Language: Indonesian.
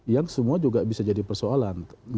yang semua juga bisa jadi persoalan